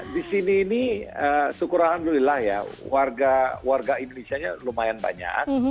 di sini ini syukur alhamdulillah ya warga indonesia nya lumayan banyak